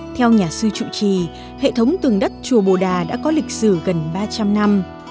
theo nhà sư trụ trì hệ thống tường đất chùa bồ đà đã có lịch sử gần ba trăm linh năm